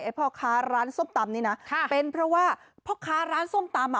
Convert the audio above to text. พ่อค้าร้านส้มตำนี้นะเป็นเพราะว่าพ่อค้าร้านส้มตำอ่ะ